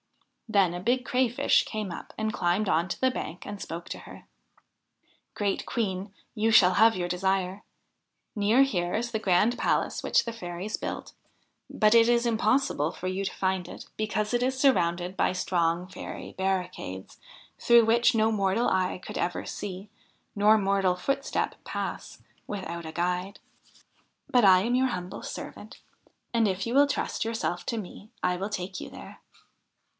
Then a big Crayfish came up and climbed on to the bank and spoke to her :' Great Queen, you shall have your desire. Near here is the grand palace which the fairies built, but it is impossible for you to find it, because it is surrounded by strong fairy barricades, through which no mortal eye could ever see, nor mortal footstep pass without 45 THE HIND OF THE WOOD a guide. But I am your humble servant, and, if you will trust your self to me, I will take you there.'